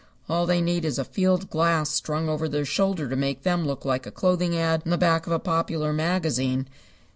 All they need is a field glass strung over their shoulder to make them look like a clothing ad in the back of a popular magazine.